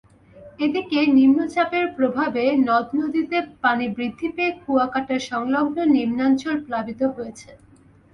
এদিকে নিম্নচাপের প্রভাবে নদ-নদীতে পানি বৃদ্ধি পেয়ে কুয়াকাটা-সংলগ্ন নিম্নাঞ্চল প্লাবিত হয়েছে।